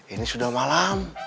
ini sudah malam